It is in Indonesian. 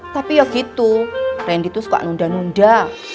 tapi ya gitu rendy tuh suka nunda nunda